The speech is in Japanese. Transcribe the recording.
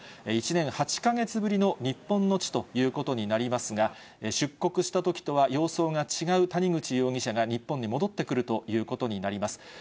１年８か月ぶりの日本の地ということになりますが、出国したときとは様相が違う谷口容疑者が、日本に戻ってくるということになります。